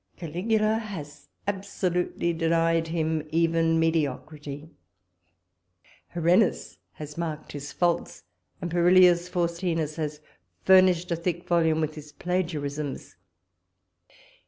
Caligula has absolutely denied him even mediocrity; Herennus has marked his faults; and Perilius Faustinus has furnished a thick volume with his plagiarisms.